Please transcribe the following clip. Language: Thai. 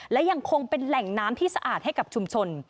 และยังคงเป็นแหล่งน้ำที่สะอาดให้กับชุมชน